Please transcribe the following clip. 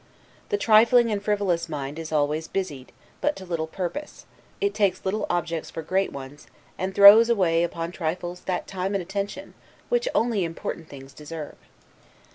The trifling and frivolous mind is always busied, but to little purpose; it takes little objects for great ones, and throws away upon trifles that time and attention which only important things deserve.